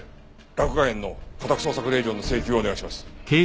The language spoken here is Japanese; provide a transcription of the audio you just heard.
洛雅苑の家宅捜索令状の請求をお願いします。